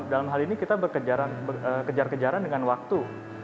dalam hal ini kita berkejar kejaran dengan waktu